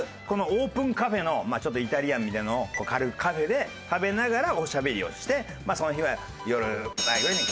オープンカフェのちょっとイタリアンみたいなのを軽くカフェで食べながらおしゃべりをしてその日は夜前ぐらいに。